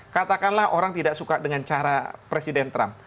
katakanlah orang tidak suka dengan cara presiden trump